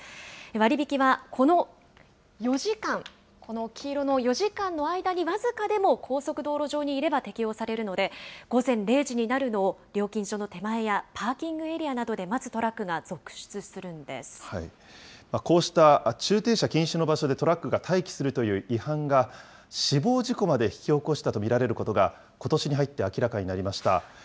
割引はこの４時間、この黄色の４時間の間に僅かでも高速道路上にいれば適用されるので、午前０時になるのを料金所の手前やパーキングエリアなどで待つトこうした駐停車禁止の場所でトラックが待機するという違反が、死亡事故まで引き起こしたと見られることが、ことしに入って明らかになりました。